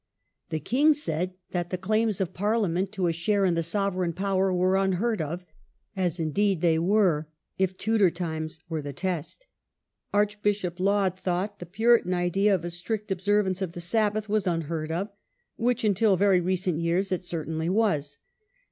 The king said that the claims of Parliament to a share in the sovereign power were unheard of, as indeed they were, if Tudor times were the test. Arch bishop Laud thought the Puritan idea of a strict obser vance of the Sabbath was unheard of, which, until very recent years, it certainly was.